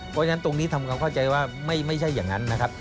เพราะฉะนั้นตรงนี้ทำความเข้าใจว่าไม่ใช่อย่างนั้นนะครับ